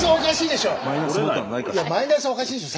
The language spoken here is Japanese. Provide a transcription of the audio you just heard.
いやマイナスおかしいでしょ